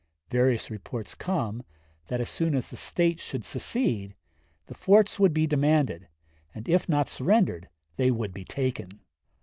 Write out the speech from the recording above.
Various reports come, that as soon as the State should secede the forts would be demanded, and if not surrendered, they would be taken.